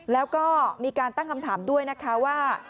แล้วก็มีการตั้งคำถามด้วยนะคะว่า